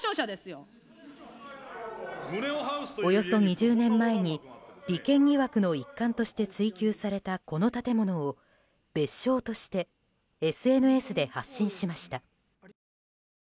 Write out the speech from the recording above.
およそ２０年前に利権疑惑の一環として追及された、この建物を蔑称としてＳＮＳで発信しました。